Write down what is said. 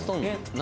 何？